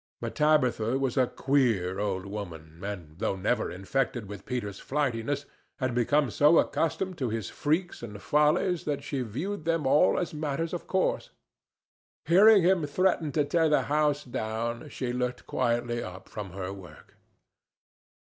But Tabitha was a queer old woman, and, though never infected with Peter's flightiness, had become so accustomed to his freaks and follies that she viewed them all as matters of course. Hearing him threaten to tear the house down, she looked quietly up from her work.